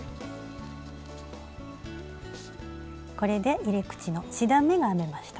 これで入れ口の１段めが編めました。